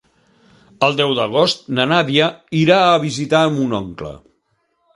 El deu d'agost na Nàdia irà a visitar mon oncle.